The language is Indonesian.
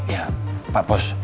ya pak pos